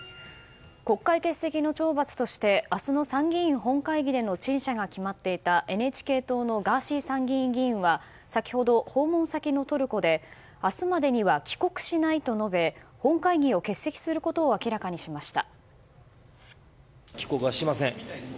国会欠席の懲罰として明日の参議院本会議での陳謝が決まっていたＮＨＫ党のガーシー参議院議員は先ほど、訪問先のトルコで明日までには帰国しないと述べ本会議を欠席することを明らかにしました。